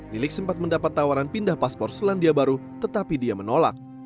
lilik sempat mendapat tawaran pindah paspor selandia baru tetapi dia menolak